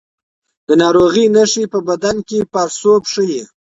د ناروغۍ نښې په بدن کې پاړسوب ښيي.